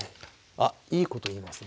あっいいこと言いますね。